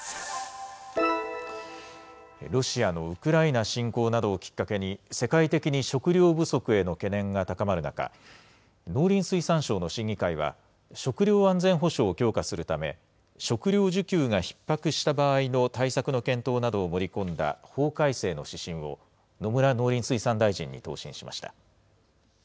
ロシアのウクライナ侵攻などをきっかけに、世界的に食料不足への懸念が高まる中、農林水産省の審議会は、食料安全保障を強化するため、食料需給がひっ迫した場合の対策の検討などを盛り込んだ法改正の指針を、野村農林水産大臣に答申しました。